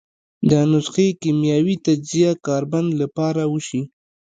د نسخې کیمیاوي تجزیه کاربن له پاره وشي.